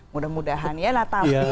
mudah mudahan ya natal